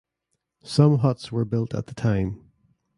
Some huts were built at the time.